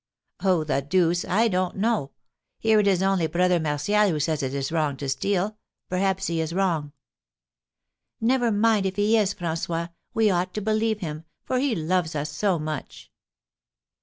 "Oh, the deuce! I don't know. Here it is only Brother Martial who says it is wrong to steal; perhaps he is wrong." "Never mind if he is, François. We ought to believe him, for he loves us so much!"